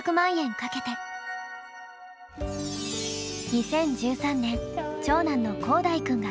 ２０１３年長男の光大くんが誕生。